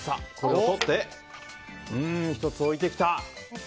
取って、１つ置いてきた。